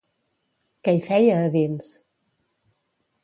Què hi feia, a dins?